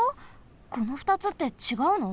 この２つってちがうの？